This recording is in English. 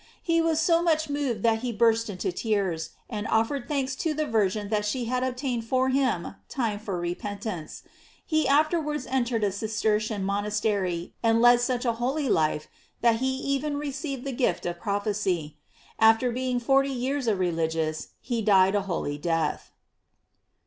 He was so much moved that he burst into tears, and offer ed thanks to the Virgin that she had obtained for him time for repentance. He afterwards entered a Cistercian monastery, and led such a holy life that he even received tbe gift of proph ecy; after being forty years a religious, he died a holy death.